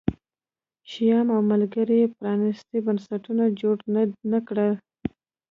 شیام او ملګرو یې پرانیستي بنسټونه جوړ نه کړل